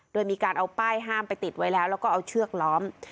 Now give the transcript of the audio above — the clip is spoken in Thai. โดยมีการเอาป้ายห้ามไปติดไว้แล้วแล้วก็เอาเชือกล้อม